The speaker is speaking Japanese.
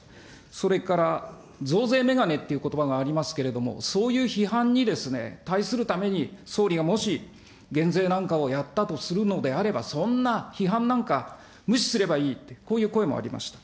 それから、増税眼鏡ということばがありますけれども、そういう批判にですね、対するために総理がもし減税なんかをやったとするのであれば、そんな批判なんか無視すればいいって、こういう声もありました。